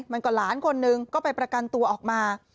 มันก็หลานคนนึงก็ไปประกันตัวออกมา